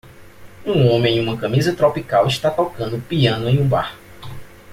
Um homem em uma camisa tropical está tocando piano em um bar.